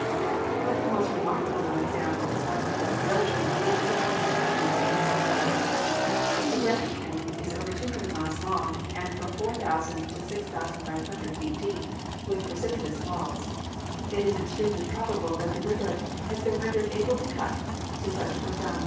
One of the most remarkable known examples of river erosion is seen in the canons of the Colorado. The Grand Canon is over 200 miles long and from 4,000 to 6,500 feet deep, with precipitous walls. It is extremely probable that the river has been rendered able to cut to such profound k^^ £?